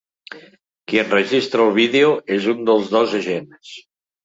Qui enregistra el vídeo és un dels dos agents.